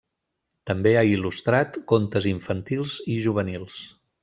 També ha il·lustrat contes infantils i juvenils.